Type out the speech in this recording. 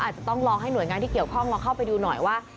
อาจจะต้องลองให้หน่วยงานที่เกี่ยวข้องลองเข้าไปดูหน่อยว่า